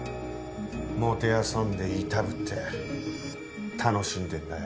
もてあそんでいたぶって楽しんでんだよ。